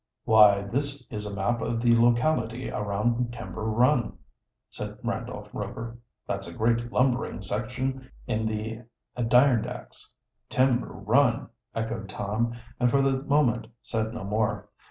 "Why, this is a map of the locality around Timber Run," said Randolph Rover. "That's a great lumbering section in the Adirondacks." "Timber Run!" echoed Tom, and for the moment said no more.